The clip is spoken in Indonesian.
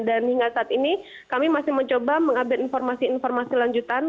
dan hingga saat ini kami masih mencoba mengambil informasi informasi lanjutan